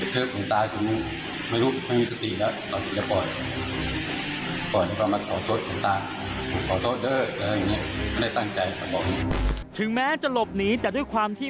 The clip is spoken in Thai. ถึงแม้จะหลบหนีแต่ด้วยความที่ไม่ใช่เพียงบาปกัน